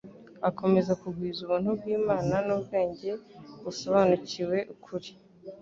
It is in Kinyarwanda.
akomeza kugwiza ubuntu bw'Imana n'ubwenge busobanukiwe ukuri.